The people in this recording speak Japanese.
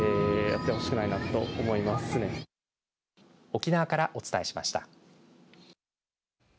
沖縄からお伝えしました。